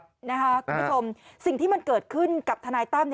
คุณผู้ชมสิ่งที่มันเกิดขึ้นกับทนายตั้ม